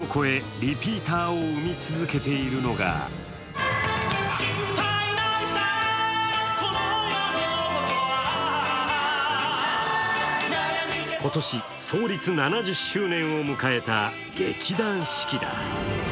親から子、子から孫へ、世代を超えリピーターを生み続けているのが今年創立７０周年を迎えた劇団四季だ。